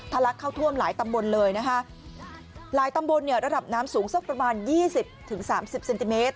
ทะลักเข้าท่วมหลายตำบนเลยนะคะหลายตำบนเนี่ยระดับน้ำสูงสักประมาณ๒๐๓๐เซนติเมตร